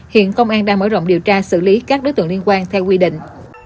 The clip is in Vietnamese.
hiện công an đang mở rộng điều tra xử lý các đối tượng liên quan theo quy định